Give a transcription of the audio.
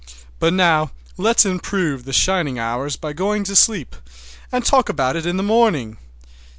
But now let's improve the shining hours by going to sleep, and talk about it in the morning!"